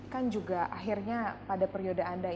kan juga akhirnya pada periode anda yang terakhir